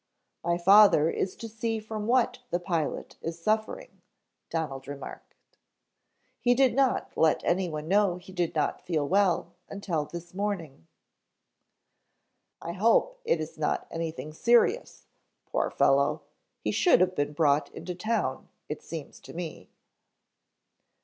"My father is to see from what the pilot is suffering," Donald remarked. "He did not let anyone know he did not feel well until this morning." "I hope it is not anything serious, poor fellow. He should have been brought in to town, it seems to me."